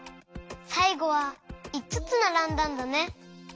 さいごはいつつならんだんだね。